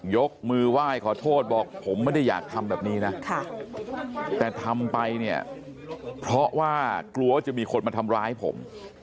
ยกมือไหว้ขอโทษบอกผมไม่ได้อยากทำแบบนี้นะแต่ทำไปเนี่ยเพราะว่ากลัวว่าจะมีคนมาทำร้ายผม